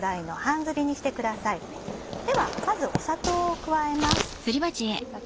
ではまず砂糖を加えます。